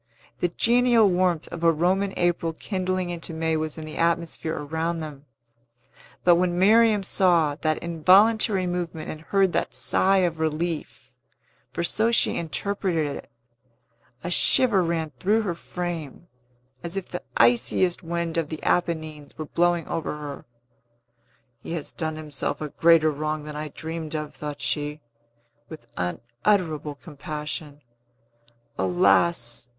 The genial warmth of a Roman April kindling into May was in the atmosphere around them; but when Miriam saw that involuntary movement and heard that sigh of relief (for so she interpreted it), a shiver ran through her frame, as if the iciest wind of the Apennines were blowing over her. "He has done himself a greater wrong than I dreamed of," thought she, with unutterable compassion. "Alas!